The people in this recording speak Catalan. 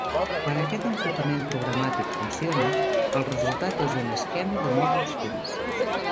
Quan aquest enfocament programàtic funciona, el resultat és un "esquema de mòduls fins".